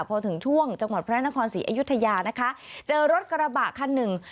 พอถึงช่วงจังหวัดพระนครศรีอยุธยานะคะเจอรถกระบะคันหนึ่ง